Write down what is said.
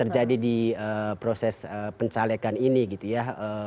jadi di proses pencalekan ini gitu ya